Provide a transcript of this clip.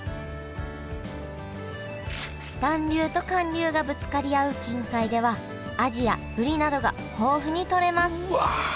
暖流と寒流がぶつかり合う近海ではアジやブリなどが豊富に取れますうわ